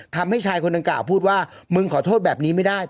ทำให้ชายคนดังกล่าวพูดว่ามึงขอโทษแบบนี้ไม่ได้